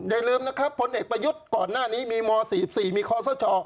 อย่าลืมนะครับพลเอกประยุทธ์ก่อนหน้านี้มีม๔๔มีคอสช